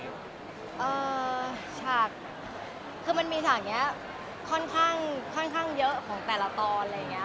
เออฉากคือมันมีฉากนี้ค่อนข้างเยอะของแต่ละตอนอะไรอย่างนี้ค่ะ